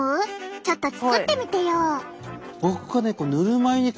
ちょっと作ってみてよ。